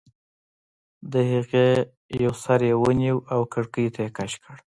د هغې یو سر یې ونیو او کړکۍ ته یې کش کړ